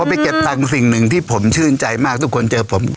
ไปเก็บตังค์สิ่งหนึ่งที่ผมชื่นใจมากทุกคนเจอผม